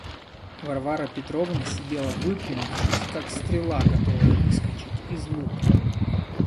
Варвара Петровна сидела выпрямившись, как стрела, готовая выскочить из лука.